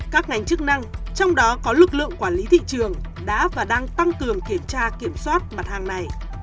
các ngành chức năng trong đó có lực lượng quản lý thị trường đã và đang tăng cường kiểm tra kiểm soát mặt hàng này